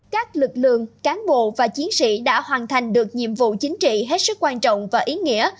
các lực lượng cán bộ và chiến sĩ đã hoàn thành được nhiệm vụ chính trị hết sức quan trọng và ý nghĩa